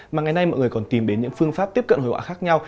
mà ngày nay mọi người còn tìm đến những phương pháp tiếp cận hội họa khác nhau